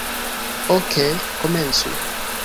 Okej, komencu.